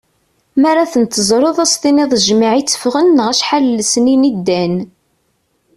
Mi ara ten-teẓreḍ ad as-tiniḍ jmiɛ i tteffɣen neɣ acḥal n lesnin i ddan.